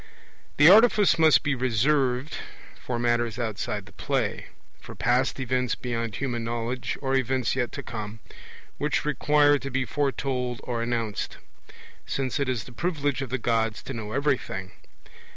The artifice must be reserved for matters outside the play for past events beyond human knowledge, or events yet to come, which require to be foretold or announced; since it is the privilege of the Gods to know everything.